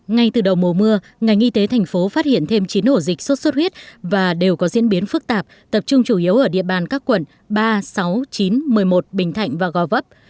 ngay từ đầu mùa mưa ngành y tế thành phố phát hiện thêm chín ổ dịch sốt xuất huyết và đều có diễn biến phức tạp tập trung chủ yếu ở địa bàn các quận ba sáu chín một mươi một bình thạnh và gò vấp